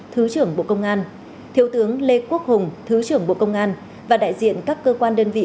thứ trưởng bộ công an thiếu tướng lê quốc hùng thứ trưởng bộ công an và đại diện các cơ quan đơn vị